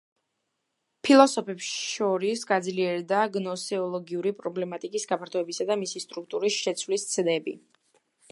ფილოსოფოსებს შორის გაძლიერდა გნოსეოლოგიური პრობლემატიკის გაფართოებისა და მისი სტრუქტურის შეცვლის ცდები.